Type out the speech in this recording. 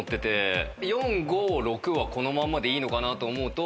４５６はこのまんまでいいのかなと思うと。